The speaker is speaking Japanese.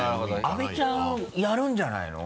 阿部ちゃんやるんじゃないの？